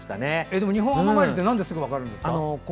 でもニホンアマガエルってなんですぐ分かるんですか？